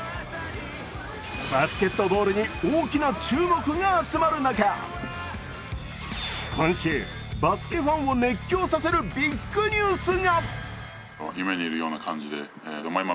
バスケットボールに大きな注目が集まる中、今週、バスケファンを熱狂させるビッグニュースが。